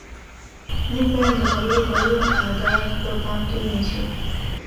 موږ باید د خبرو کولو اداب په پام کې ونیسو.